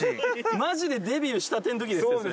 マジでデビューしたての時ですよそれ。